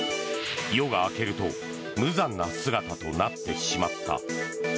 夜が明けると無残な姿となってしまった。